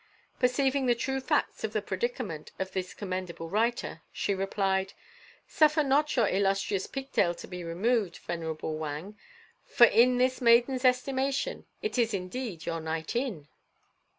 "Perceiving the true facts of the predicament of this commendable writer, she replied: "'Suffer not your illustrious pigtail to be removed, venerable Wang; for in this maiden's estimation it is indeed your night in.